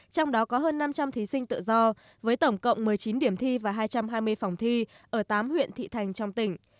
trong đó có hơn năm trăm linh thí sinh tự do với tổng cộng một mươi chín điểm thi và hai trăm hai mươi phòng thi ở tám huyện thị thành trong tỉnh